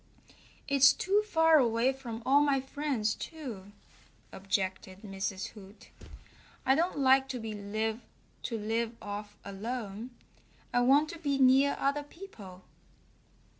"It's too far away from all my friends, too," objected Mrs. Hoot. "I don't like to live off alone. I want to be near other people."